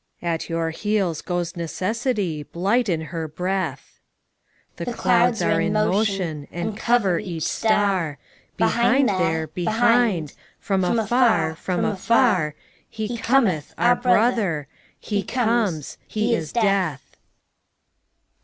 NECESSITY. At your heels goes Necessity, blight in her breath. THE THREE. The clouds are in motion, and cover each star ! Behind there, behind! from afar, from afar, He Cometh, our Brother ! he comes, he is Death!